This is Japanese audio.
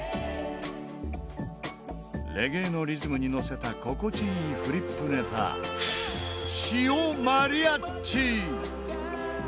レゲエのリズムにのせた心地いいフリップネタシオマリアッチ。